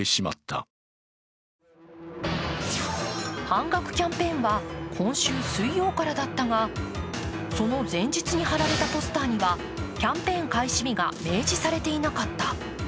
半額キャンペーンは今週水曜からだったが、その前日に貼られたポスターにはキャンペーン開始日が明示されていなかった。